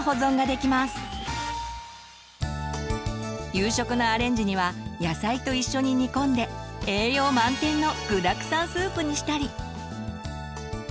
夕食のアレンジには野菜と一緒に煮込んで栄養満点の「具だくさんスープ」にしたり。